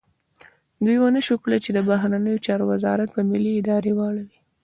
دوی ونه شو کړای چې د بهرنیو چارو وزارت پر ملي ارادې واړوي.